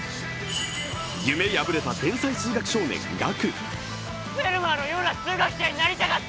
夢破れた天才数学少年・岳。